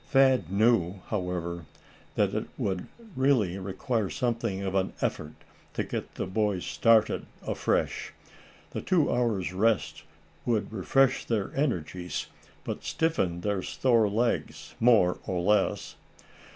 Thad knew, however, that it would really require something of an effort to get the boys started afresh. The two hours' rest would refresh their energies, but stiffen their sore legs, more or less.